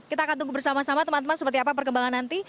kita akan tunggu bersama sama teman teman seperti apa perkembangan nanti